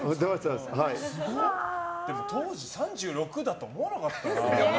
でも当時３６だと思わなかったな。